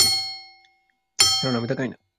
কারণ আমি তা খাই না।